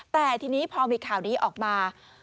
แต่ทีนี้พอมีข่าวนี้ออกมา